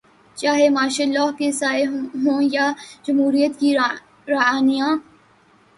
چاہے martial law کے سائے ہوں یا جمہوریت کی رعنائیاں۔